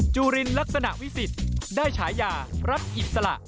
จุลินลักษณะวิสิทธิ์ได้ฉายารัฐอิสระ